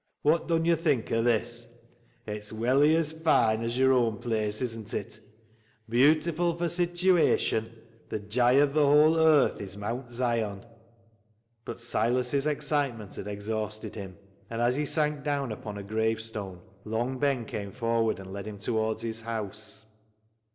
Wot dun yo' think o' this ? It's welly as foine as yo'r own place, isn't it ?' Beautiful for situation, the jye of the whole earth is Mount Zion.' " But Silas' excitement had exhausted him ; and as he sank down upon a gravestone, Long Ben came forward and led him towards his house.